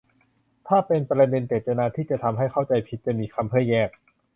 ถ้าเป็นประเด็นเจตนาที่จะทำให้เข้าใจผิด จะมีคำเพื่อแยก